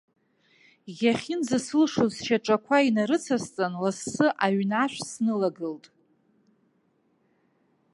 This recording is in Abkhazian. Иахьынӡасылшоз сшьаҿақәа инарыцысҵан, лассы аҩны ашә снылагылт.